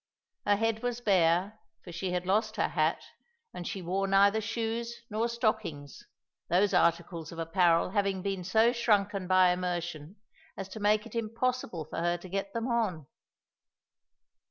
Her head was bare, for she had lost her hat, and she wore neither shoes nor stockings, those articles of apparel having been so shrunken by immersion as to make it impossible for her to get them on.